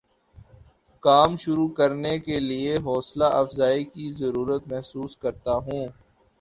کام شروع کرنے کے لیے حوصلہ افزائی کی ضرورت محسوس کرتا ہوں